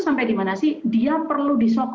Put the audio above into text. sampai dimana sih